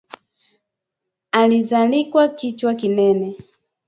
Alizalikwa kichwa kinene